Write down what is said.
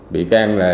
bị can là